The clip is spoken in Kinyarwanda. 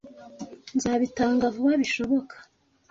Nzabitanga vuba bishoboka.